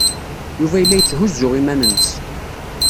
Yuba yella yetthuzzu iman-nnes.